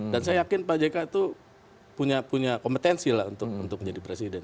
dan saya yakin pak jk itu punya kompetensi untuk menjadi presiden